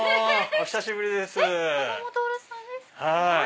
⁉お久しぶりです！